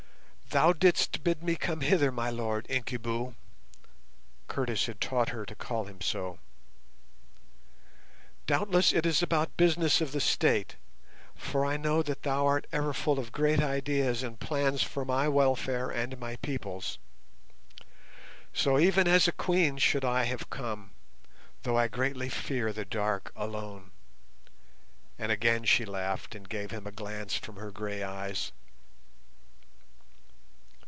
"Thou didst bid me come hither, my Lord Incubu" (Curtis had taught her to call him so). "Doubtless it is about business of the State, for I know that thou art ever full of great ideas and plans for my welfare and my people's. So even as a Queen should I have come, though I greatly fear the dark alone," and again she laughed and gave him a glance from her grey eyes.